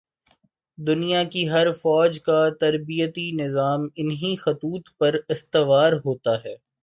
دنیا کی ہر فوج کا تربیتی نظام انہی خطوط پر استوار ہوتا ہے۔